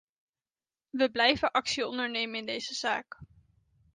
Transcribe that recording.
We blijven actie ondernemen in deze zaak.